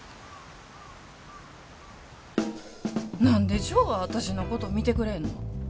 何でジョーは私のこと見てくれへんの。